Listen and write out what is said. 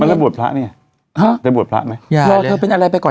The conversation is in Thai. มาแล้วบวชพระเนี้ยฮะจะบวชพระไหมอย่าเลยเดี๋ยวเธอเป็นอะไรไปก่อน